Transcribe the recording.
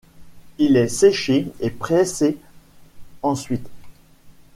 Il est séché et pressé ensuite.